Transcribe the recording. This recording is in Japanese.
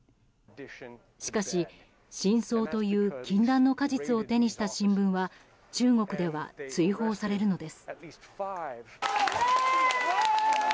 しかし、真相という禁断の果実を手にした新聞は中国では追放されるのです。